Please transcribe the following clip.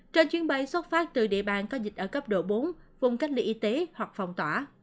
trên chuyến bay xuất phát từ địa bàn có dịch ở cấp độ bốn vùng cách ly y tế hoặc phòng tỏa